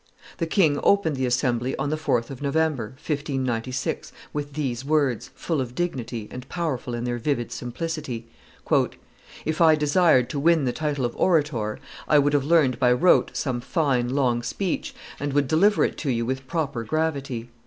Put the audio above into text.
The king opened the assembly on the 4th of November, 1596, with these words, full of dignity, and powerful in their vivid simplicity: "If I desired to win the title of orator, I would have learned by rote some fine, long speech, and would deliver it to you with proper gravity.